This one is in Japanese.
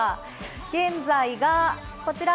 現在がこちら。